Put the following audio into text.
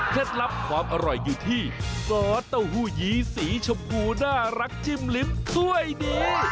ลับความอร่อยอยู่ที่ซอสเต้าหู้ยีสีชมพูน่ารักจิ้มลิ้มสวยดี